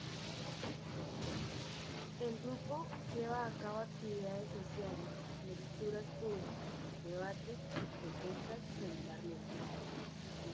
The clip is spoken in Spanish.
El grupo lleva a cabo actividades sociales, lecturas públicas, debates y protestas regularmente.